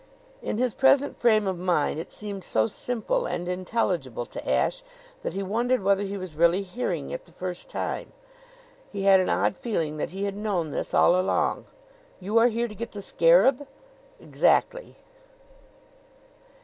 In his present frame of mind it seemed so simple and intelligible to Ashe that he wondered whether he was really hearing it the first time. He had an odd feeling that he had known this all along. "You are here to get the scarab?" "Exactly."